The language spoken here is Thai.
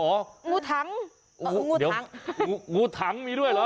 งูถังงูถังมีด้วยเหรอ